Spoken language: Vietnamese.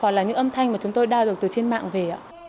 hoặc là những âm thanh mà chúng tôi đa được từ trên mạng về